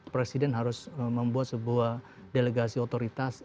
presiden harus membuat sebuah delegasi otoritas